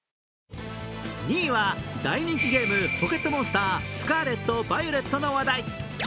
２位は大人気ゲーム、「ポケットモンスタースカーレット・バイオレット」の話題。